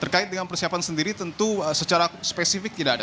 terkait dengan persiapan sendiri tentu secara spesifik tidak ada